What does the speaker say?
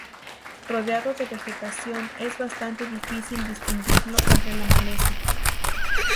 Rodeado de vegetación, es bastante difícil distinguirlo entre la maleza.